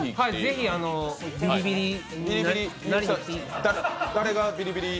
ぜひビリビリをやりに。